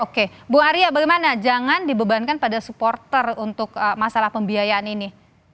oke bu arya bagaimana jangan dibebankan pada supporter untuk masalah pembiayaan ini